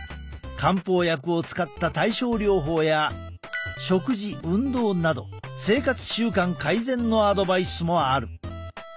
漢方薬を使った対症療法や食事運動など生活習慣改善のアドバイスもある。